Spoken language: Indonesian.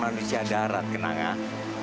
manusia darat kenang ah